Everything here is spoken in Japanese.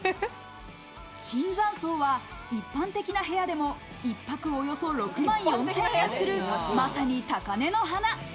椿山荘は一般的な部屋でも１泊およそ６万４０００円する、まさに高嶺の花。